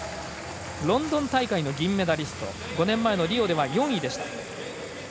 ロンドン大会の銀メダリストリオでは４位でした。